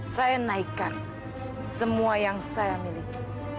saya naikkan semua yang saya miliki